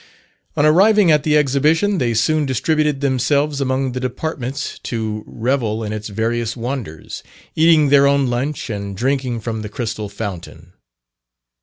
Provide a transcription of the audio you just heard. On arriving at the Exhibition, they soon distributed themselves among the departments, to revel in its various wonders, eating their own lunch, and drinking from the Crystal Fountain.